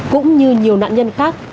cũng như nhiều nạn nhân khác